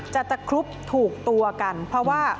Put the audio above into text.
ตะครุบถูกตัวกันเพราะว่า